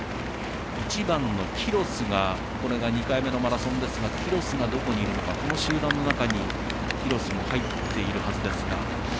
１番のキロスがこれが２回目のマラソンですがこの集団の中にキロスも入っているはずですが。